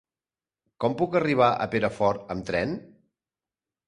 Com puc arribar a Perafort amb tren?